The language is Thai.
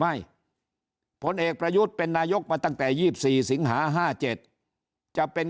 ไม่ผลเอกประยุทธ์เป็นนายกมาตั้งแต่๒๔สิงหา๕๗จะเป็น